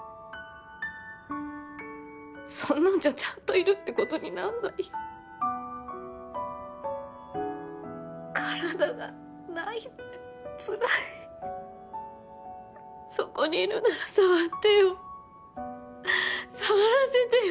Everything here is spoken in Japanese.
そんなんじゃちゃんといるってことになんないよ体がないってつらいそこにいるなら触ってよ触らせてよ